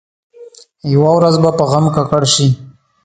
یوه ورځ به په غم ککړ شي.